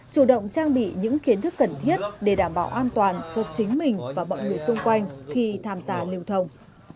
chủ động trang bị những kiến thức cần thiết để đảm bảo an toàn cho chính mình và mọi người xung quanh khi tham gia lưu thông